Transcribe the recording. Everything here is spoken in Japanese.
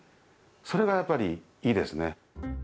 それが、やっぱりいいですね。